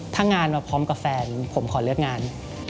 ถ้างานมาพร้อมกับแฟนผมขอเลือกงาน